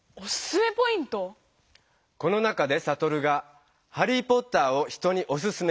この中でサトルが「ハリー・ポッター」を人におすすめする一番の理ゆう。